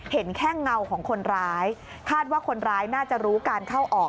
เห็นแค่เงาของคนร้ายคาดว่าคนร้ายน่าจะรู้การเข้าออก